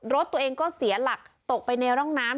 รถตัวเองก็เสียหลักตกไปในร่องน้ำ